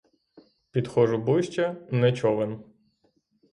Підходжу ближче, — не човен.